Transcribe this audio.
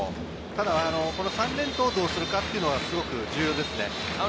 ただ３連投をどうするかというのが重要ですね。